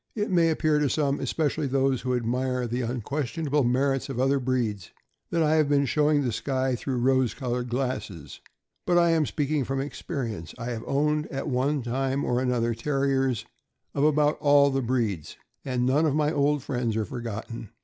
It may appear to some, especially to those who admire the unquestionable merits of other breeds, that I have been showing the Skye through rose colored glasses; but I am speaking from experience. I have owned, at one time or another, Terriers of about all the breeds, and none of my old friends are forgotten.